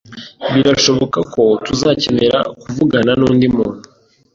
Birashoboka ko tuzakenera kuvugana nundi muntu